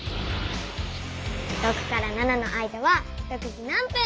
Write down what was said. ６から７の間は６時何分。